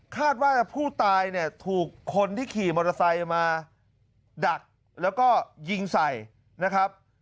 คาดว่าผู้ตายเนี่ยถูกคนที่ขี่มอเตอร์ไซค์มาดักแล้วก็ยิงใส่นะครับ